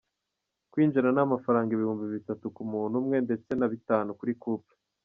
Kwinjira ni amafaranga ibihumbi bitatu ku muntu umwe ndetse na bitanu kuri couple.